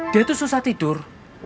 dia tuh susah tidur